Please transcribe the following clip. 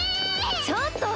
ちょっと！